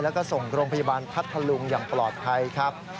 แล้วก็ส่งโรงพยาบาลพัทธลุงอย่างปลอดภัยครับ